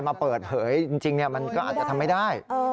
มาเปิดเหยจริงมันก็ทำไม่ได้